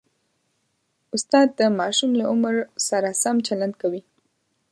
استاد د ماشوم له عمر سره سم چلند کوي.